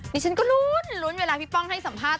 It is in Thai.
ดิฉันก็ลุ้นเวลาพี่ป้องให้สัมภาษ